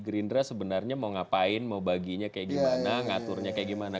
gerindra sebenarnya mau ngapain mau baginya kayak gimana ngaturnya kayak gimana